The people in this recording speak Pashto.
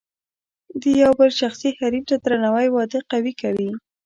د یو بل شخصي حریم ته درناوی واده قوي کوي.